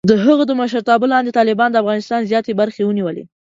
د هغه د مشرتابه لاندې، طالبانو د افغانستان زیاتې برخې ونیولې.